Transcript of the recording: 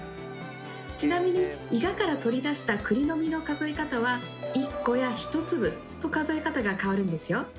ちなみにイガから取り出した栗の実の数え方は１個や１粒と数え方が変わるんですよ。